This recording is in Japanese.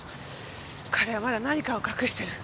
彼はまだ何かを隠してる。